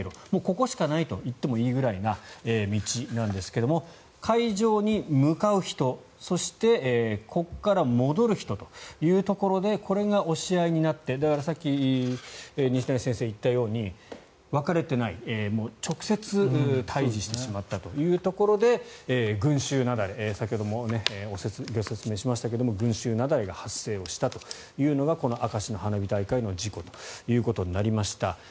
ここしかないといってもいいくらいな道なんですが会場に向かう人、そしてここから戻る人というところでこれが押し合いになってだから、さっき西成先生が言ったように分かれていない直接対峙してしまったというところで群衆雪崩先ほどもご説明しましたが群衆雪崩が発生したというのが明石の花火大会の事故ということになりました。